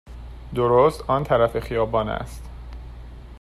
درست آن طرف خیابان است.